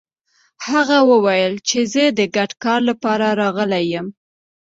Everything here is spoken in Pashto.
هغه ويل چې زه د ګډ کار لپاره راغلی يم.